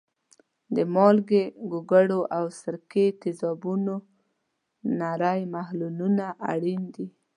د مالګې، ګوګړو او سرکې تیزابونو نری محلولونه اړین دي.